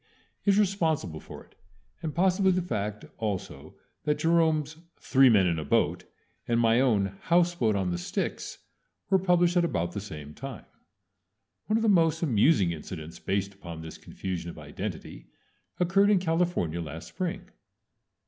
K. is responsible for it, and possibly the fact also that Jerome's "Three Men in a Boat" and my own "House Boat on the Styx" were published at about the same time. One of the most amusing incidents based upon this confusion of identity occurred in California last spring.